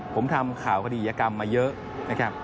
ผมทำข่าวคดียกรรมมาเยอะ